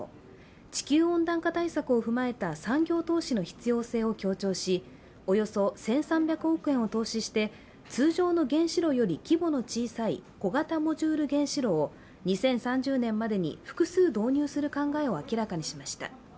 地球温暖化対策を踏まえた産業投資の必要性を強調し、およそ１３００億円を投資して通常の原子炉より規模の小さい小型モジュール原子炉を２０３０年までに複数導入する考えを明らかにしました。